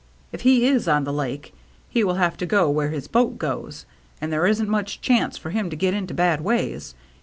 " If he is on the Lake, he will have to go where his boat goes, and there isn't much chance for him to get into bad ways.